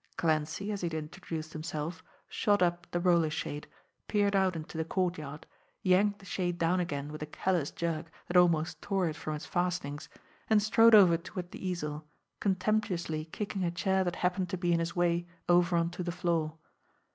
Clancy, as he had introduced himself, shot up the roller shade, peered out into the courtyard, yanked the shade down again with a callous jerk that almost tore it from its fastenings, and strode over toward the easel, contemptuously kicking a chair that happened to be in his way over onto the floor.